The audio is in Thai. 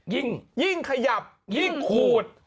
ยิ่งขยับยิ่งขูด